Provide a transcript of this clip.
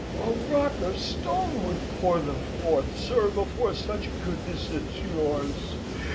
A rock of stone would pour them forth, sir, before such goodness as yours!